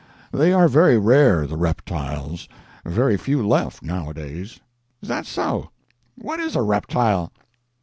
They are very rare, the reptiles; very few left, now a days." "Is that so? What is a reptile?"